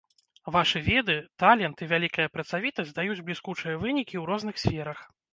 Вашы веды, талент і вялікая працавітасць даюць бліскучыя вынікі ў розных сферах.